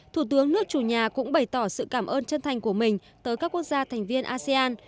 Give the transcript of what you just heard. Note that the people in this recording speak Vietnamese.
thủ tướng nước chủ nhà cũng bày tỏ sự cảm ơn chân thành của mình tới các quốc gia thành viên asean